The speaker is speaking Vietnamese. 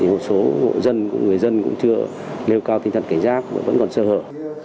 một số người dân cũng chưa lêu cao tinh thần cảnh giác và vẫn còn sơ hở